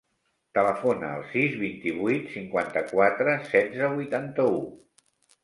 Telefona al sis, vint-i-vuit, cinquanta-quatre, setze, vuitanta-u.